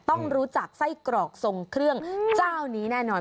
ต้องรู้จักไส้กรอกทรงเครื่องเจ้านี้แน่นอน